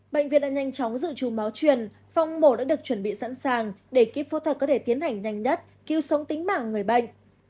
bệnh viện đã nhanh chóng dự trù máu truyền phong mổ đã được chuẩn bị sẵn sàng để kiếp phẫu thuật có thể tiến hành nhanh nhất cứu sống tính mạng người bệnh